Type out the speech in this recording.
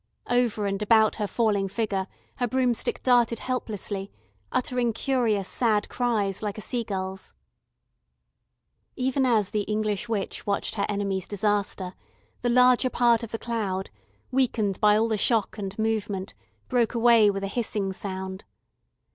Over and about her falling figure her broomstick darted helplessly, uttering curious sad cries, like a seagull's. Even as the English witch watched her enemy's disaster, the larger part of the cloud, weakened by all the shock and movement, broke away with a hissing sound.